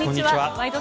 「ワイド！